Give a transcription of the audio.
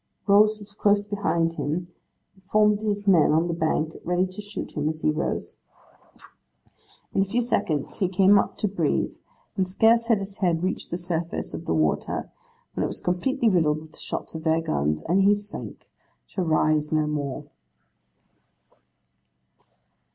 Rose was close behind him, and formed his men on the bank ready to shoot him as he rose. In a few seconds he came up to breathe; and scarce had his head reached the surface of the water when it was completely riddled with the shot of their guns, and he sunk, to rise no more!